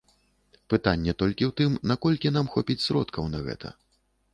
Пытанне толькі ў тым, наколькі нам хопіць сродкаў на гэта.